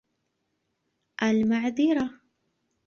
المعذرة؟